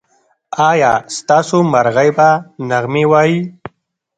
ایا ستاسو مرغۍ به نغمې وايي؟